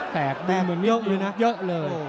แตกแบบเยอะเลย